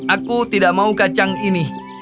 aku tidak mau kacang ini